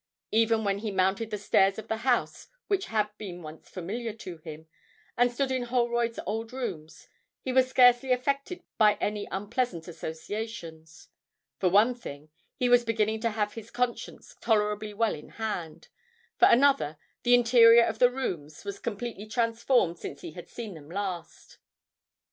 Even when he mounted the stairs of the house which had been once familiar to him, and stood in Holroyd's old rooms, he was scarcely affected by any unpleasant associations. For one thing, he was beginning to have his conscience tolerably well in hand; for another, the interior of the rooms was completely transformed since he had seen them last.